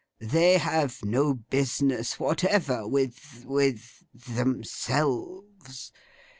They have no business whatever with—with themselves.